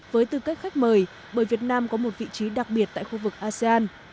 với tư cách khách mời bởi việt nam có một vị trí đặc biệt tại khu vực asean